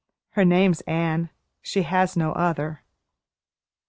Her name's Anne she has no other."